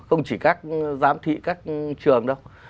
không chỉ các giám thị các trường đâu